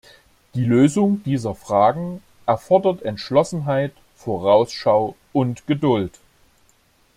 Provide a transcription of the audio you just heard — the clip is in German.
Die Lösung dieser Fragen erfordert Entschlossenheit, Vorausschau und Geduld.